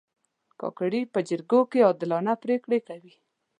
کاکړي په جرګو کې عادلانه پرېکړې کوي.